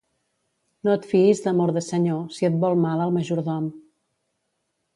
No et fiïs d'amor de senyor, si et vol mal el majordom.